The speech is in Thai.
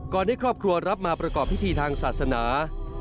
ให้ครอบครัวรับมาประกอบพิธีทางศาสนา